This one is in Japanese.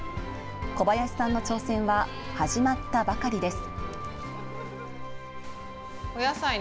小林さんの挑戦は始まったばかりです。